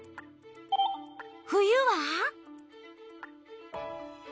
冬は？